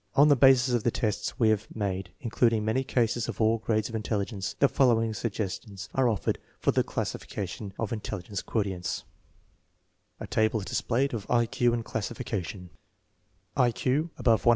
On the basis of the tests we have made, including many cases of all grades of intelligence, the following suggestions are offered for the classification of intelligence quotients: I Q Classification Above 140